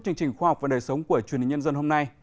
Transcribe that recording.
chương trình khoa học vấn đề sống của truyền hình nhân dân hôm nay